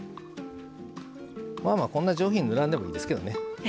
まあまあこんな上品に塗らんでもいいんですけどね。